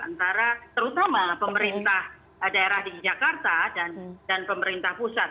antara terutama pemerintah daerah di jakarta dan pemerintah pusat